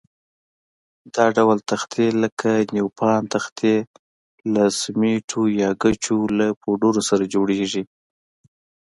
دا ډول تختې لکه نیوپان تختې له سمنټو یا ګچو له پوډر سره جوړېږي.